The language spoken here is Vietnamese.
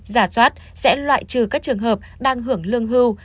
sẽ loại trừ các trường hợp đang hưởng lương hưu